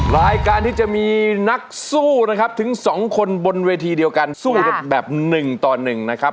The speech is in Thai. รายการที่จะมีนักสู้นะครับถึงสองคนบนเวทีเดียวกันสู้แบบแบบหนึ่งต่อหนึ่งนะครับ